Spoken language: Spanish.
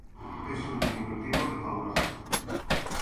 Es un diminutivo de Paula.